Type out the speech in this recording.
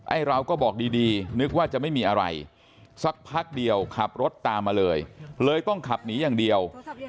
เราก็บอกดีนึกว่าจะไม่มีอะไรสักพักเดียวขับรถตามมาเลยเลยต้องขับหนีอย่างเดียว